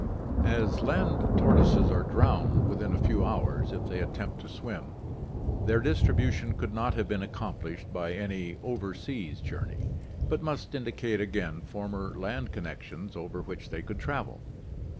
As land tortoises are drowned within a few hours if they attempt to swim, their distribution could not have been accomplished by any over seas journey, but must indicate again former land connections over which they could travel.